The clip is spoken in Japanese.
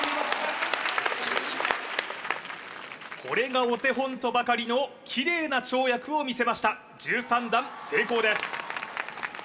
これがお手本とばかりのキレイな跳躍を見せました１３段成功です